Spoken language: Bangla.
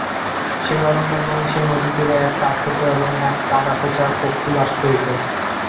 সেই অরণ্যে এবং সেই নদীতীরে এক কাঠঠোকরা এবং একটি কাদাখোঁচা পক্ষী বাস করিত।